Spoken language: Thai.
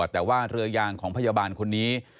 แต่ว่าเรือยางของพยาบาลคนนี้